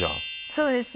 そうですね。